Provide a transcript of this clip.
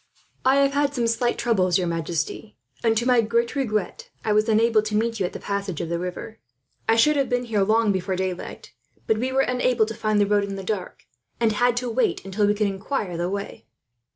"I have had some slight troubles, your majesty; and to my great regret, I was unable to meet you at the passage of the river. I should have been here long before daylight, but we were unable to find the road in the dark, and had to wait until we could inquire the way."